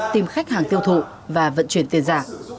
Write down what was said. tìm khách hàng tiêu thụ và vận chuyển tiền giả